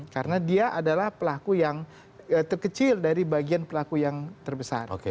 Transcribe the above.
karena dia adalah pelaku yang terkecil dari pelaku yang terbesar